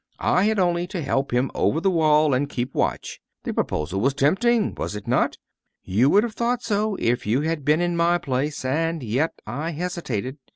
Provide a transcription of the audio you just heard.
"I had only to help him over the wall, and keep watch. The proposal was tempting was it not? You would have thought so, if you had been in my place, and yet I hesitated.